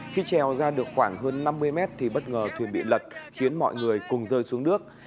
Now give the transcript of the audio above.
khi trèo ra được khoảng hơn năm mươi mét thì bất ngờ thuyền bị lật khiến mọi người cùng rơi xuống nước